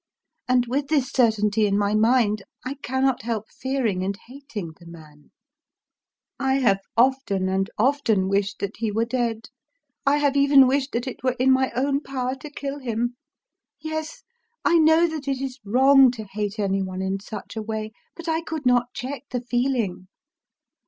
And with this certainty in my mind, I cannot help fearing and hating the man. I have often Digitized by Googk 34 IKIRYO and often wished that he were dead ; I have even wished that it were in my own power to kill him. ... Yes, I know that it is wrong to hate any one in such a way; but I could not check the feeling.